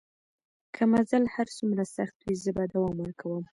که مزل هر څومره سخت وي زه به دوام ورکوم.